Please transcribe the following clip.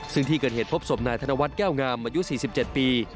ซึ่งที่เกิดเหตุพบศพนายธนวัฒน์แก้วงามอายุ๔๗ปี